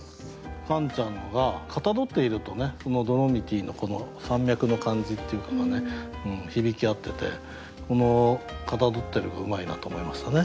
カンちゃんのが「象っている」とねドロミティの山脈の感じっていうかが響き合っててこの「象っている」がうまいなと思いましたね。